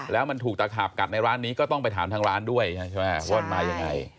แล้วมันถูกตะขาบกัดในร้านนี้ก็ต้องไปถามทางร้านด้วยใช่ไหมว่ามันมายังไง